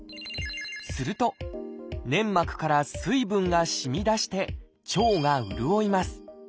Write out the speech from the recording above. すると粘膜から水分がしみ出して腸が潤います。